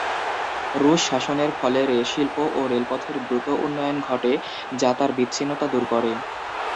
রুশ শাসনের ফলে শিল্প ও রেলপথের দ্রুত উন্নয়ন ঘটে যা তার বিচ্ছিন্নতা দূর করে।